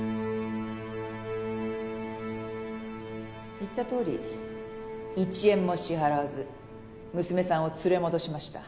言ったとおり１円も支払わず娘さんを連れ戻しました。